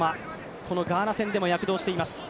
このガーナ戦でも躍動しています。